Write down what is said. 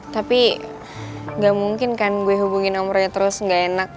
tapi gak mungkin kan gue hubungin nomornya terus nggak enak